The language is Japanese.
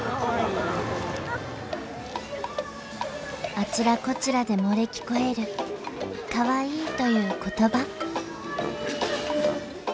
あちらこちらで漏れ聞こえるかわいいという言葉。